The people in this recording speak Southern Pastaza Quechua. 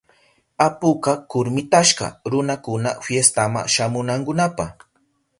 Apuka kurmitashka runakuna fiestama shamunankunapa.